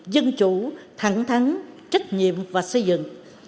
dân chủ thẳng thắng trách nhiệm và xây dựng